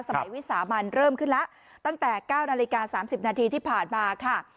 วิสามันเริ่มขึ้นแล้วตั้งแต่๙นาฬิกา๓๐นาทีที่ผ่านมาค่ะ